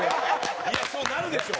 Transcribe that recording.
いやそうなるでしょ！